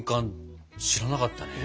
知らなかったね。